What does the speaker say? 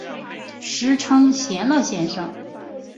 时称闲乐先生。